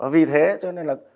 vì thế cho nên là